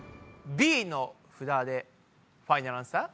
Ｂの札でファイナルアンサー？